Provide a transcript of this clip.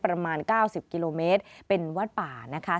ประมาณ๙๐กิโลเมตรเป็นวัดป่านะคะ